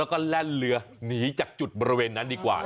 แล้วก็แล่นเรือหนีจากจุดบริเวณนั้นดีกว่า